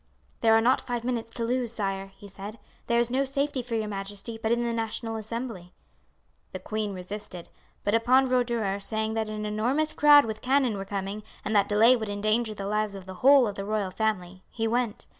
"'There are not five minutes to lose, sire,' he said. 'There is no safety for your majesty but in the National Assembly.' "The queen resisted; but upon Roederer saying that an enormous crowd with cannon were coming, and that delay would endanger the lives of the whole of the royal family, he went.